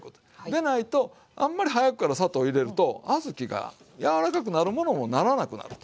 でないとあんまり早くから砂糖入れると小豆が柔らかくなるものもならなくなると。